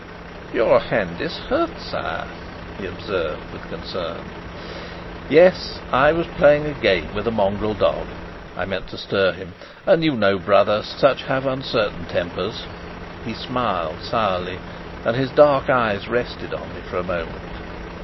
"Your hand is hurt, sire," he observed, with concern. "Yes, I was playing a game with a mongrel dog" (I meant to stir him), "and you know, brother, such have uncertain tempers." He smiled sourly, and his dark eyes rested on me for a moment.